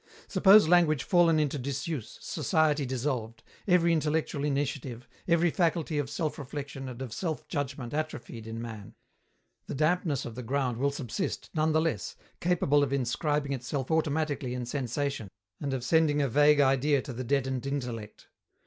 Suppose language fallen into disuse, society dissolved, every intellectual initiative, every faculty of self reflection and of self judgment atrophied in man: the dampness of the ground will subsist none the less, capable of inscribing itself automatically in sensation and of sending a vague idea to the deadened intellect.